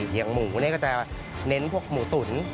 อย่างหมูนี่ก็จะเน้นพวกหมูตุ๋น